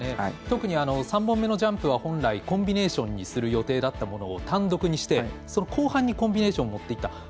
特に３本目のジャンプは本来コンビネーションにする予定だったものを単独にして後半にコンビネーションをもっていった。